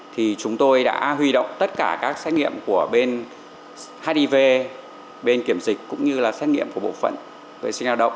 thì chúng tôi đã huy động tất cả các xét nghiệm của bên hiv bên kiểm dịch cũng như là xét nghiệm của bộ phận vệ sinh lao động